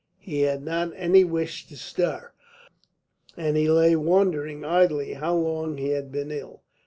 He had not any wish to stir, and he lay wondering idly how long he had been ill.